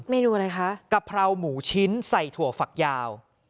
เมนูอะไรคะกะเพราหมูชิ้นใส่ถั่วฝักยาว